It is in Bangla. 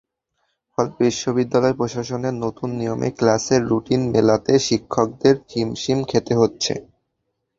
ফলে বিশ্ববিদ্যালয় প্রশাসনের নতুন নিয়মে ক্লাসের রুটিন মেলাতে শিক্ষকদের হিমশিম খেতে হচ্ছে।